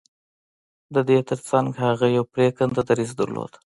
د دې ترڅنګ هغه يو پرېکنده دريځ درلود.